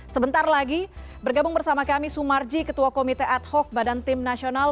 sebentar lagi bergabung bersama kami sumarji ketua komite ad hoc badan tim nasional